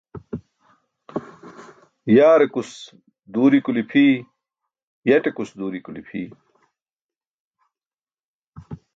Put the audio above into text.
Yaarekus duuri kuli phiyu yatekus duuri kuli phiy